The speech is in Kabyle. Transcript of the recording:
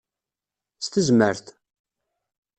S tezmert!